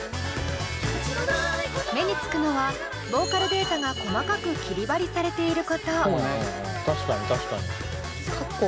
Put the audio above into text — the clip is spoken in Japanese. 目につくのはボーカルデータが細かく切り貼りされていること。